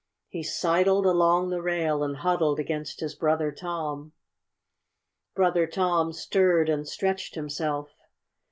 He sidled along the rail and huddled against his brother Tom. Brother Tom stirred and stretched himself.